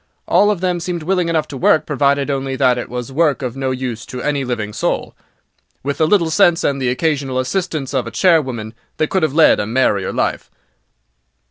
All of them seemed willing enough to work, provided only that it was work of no use to any living soul. With a little sense, and the occasional assistance of a charwoman, they could have led a merrier life."